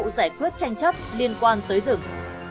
vụ giải quyết tranh chấp liên quan tới rừng